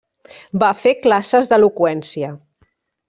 Va fer classes d'eloqüència.